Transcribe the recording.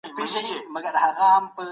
هغه د موقتي ادارې په جوړېدو کې رول ولوباوه.